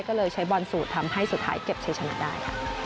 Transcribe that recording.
ก็เลยใช้บอลสูตรทำให้สุดท้ายเก็บชิงชนะได้ค่ะ